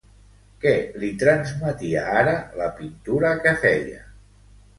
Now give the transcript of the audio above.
Què li transmetia ara la pintura que feia?